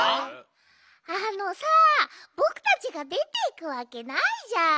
あのさぼくたちがでていくわけないじゃん。